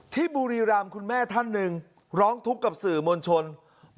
ที่บูรีรามคุณแม่ท่านหนึ่งร้องทุกข์กับสื่อมนตรภิกษาโรงงาน